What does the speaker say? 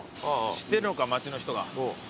知ってるのか街の人が。